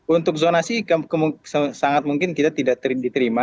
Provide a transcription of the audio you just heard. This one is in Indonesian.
untuk zonasi sangat mungkin kita tidak diterima